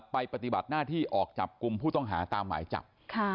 ปฏิบัติหน้าที่ออกจับกลุ่มผู้ต้องหาตามหมายจับ